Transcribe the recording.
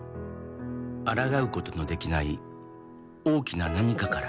「あらがうことのできない大きな何かから」